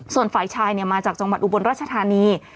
ส่วนฝ่ายชายมาจากจังหวัดอุบลราชธานี